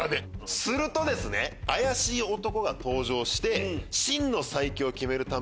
すると怪しい男が登場して。